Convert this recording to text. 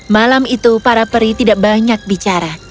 malam itu para peri tidak banyak bicara